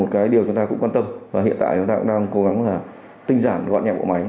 một cái điều chúng ta cũng quan tâm và hiện tại chúng ta cũng đang cố gắng là tinh giản gọn nhẹ bộ máy